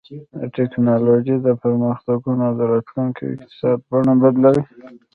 د ټیکنالوژۍ دا پرمختګونه د راتلونکي اقتصاد بڼه بدلوي.